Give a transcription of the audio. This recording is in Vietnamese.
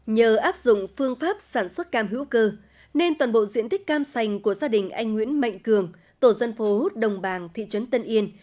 nhờ áp dụng phương pháp sản xuất cam hữu cơ nên toàn bộ diện tích cam sành của gia đình anh nguyễn mạnh cường tổ dân phố đồng bàng thị trấn tân yên